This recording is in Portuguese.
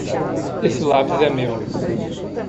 Esse lápis é meu.